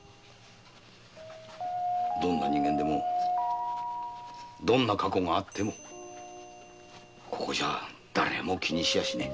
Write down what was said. どんな人間でもどんな過去があってもここじゃだれも気にしやしねえ。